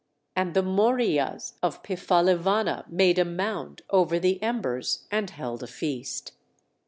And the Moriyas of Pipphalivana made a mound over the embers, and held a feast.